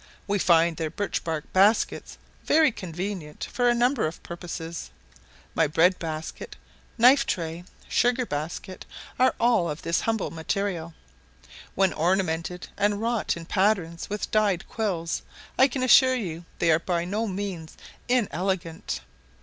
We find their birch bark baskets very convenient for a number of purposes. My bread basket, knife tray, sugar basket, are all of this humble material. When ornamented and wrought in patterns with dyed quills, I can assure you, they are by no means inelegant.